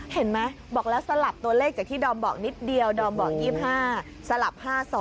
เห็นไหมบอกแล้วสลับตัวเลขจากที่ดอมบอกนิดเดียวดอมบอก๒๕สลับ๕๒